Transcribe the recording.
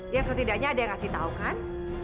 ya setidaknya ada yang ngasih tau kan